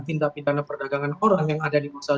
tindak tindakan perdagangan orang yang ada di masal dua